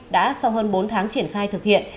đã sau hơn bốn tháng triển khai thực hiện